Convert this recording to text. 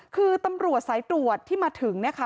คือตำรวจสายตรวจที่มาถึงเนี่ยค่ะ